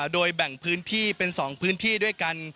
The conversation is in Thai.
โดยแบ่งพื้นที่เป็น๒พื้นที่ด้วยกัน